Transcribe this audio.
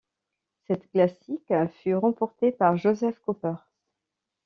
Cette classique fut remportée par Joseph Cooper.